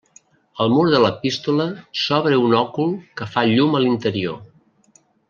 Al mur de l'epístola s'obre un òcul que fa llum a l'interior.